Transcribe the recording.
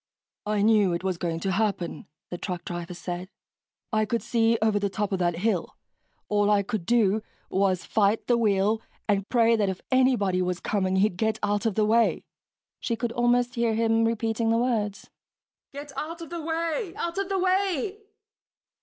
"I knew it was going to happen," the truck driver said, "I couldn't see over the top of that hill. All I could do was fight the wheel and pray that if anybody was coming, he'd get out of the way." She could almost hear him repeating the words, "Get out of the way, out of the way...."